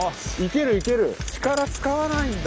力使わないんだ。